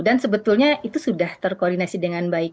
dan sebetulnya itu sudah terkoordinasi dengan baik